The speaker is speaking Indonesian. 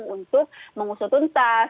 untuk mengusut tuntas